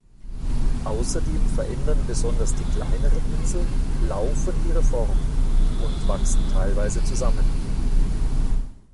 Außerdem verändern besonders die kleineren Inseln laufend ihre Form, und wachsen teilweise zusammen.